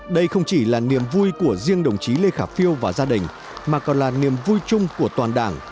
đây không chỉ là niềm vui của riêng đồng chí lê khả phiêu và gia đình mà còn là niềm vui chung của toàn đảng